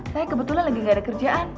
saya kebetulan lagi gak ada kerjaan